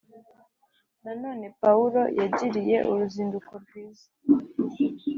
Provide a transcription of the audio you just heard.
Nanone Pawulo yagiriye uruzinduko rwiza